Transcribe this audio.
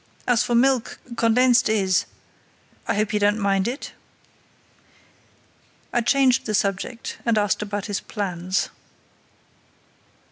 As for milk, condensed is—I hope you don't mind it?" I changed the subject, and asked about his plans.